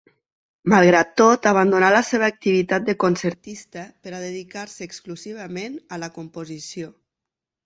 Malgrat tot, abandonà la seva activitat de concertista, per a dedicar-se exclusivament a la composició.